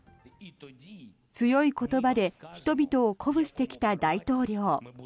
強い言葉で人々を鼓舞してきた大統領。